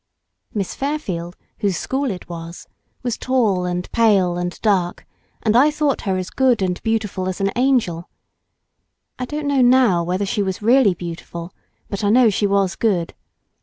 Miss Fairfield, whose school it was was tall and pale and dark, and I thought her as good and beautiful as an angel. I don't know now whether she was really beautiful, but I know she was good.